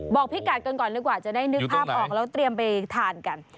พี่กัดกันก่อนดีกว่าจะได้นึกภาพออกแล้วเตรียมไปทานกัน